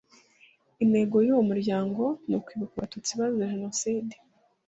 Intego y’uwo muryango ni ukwibuka Abatutsi bazize Jenoside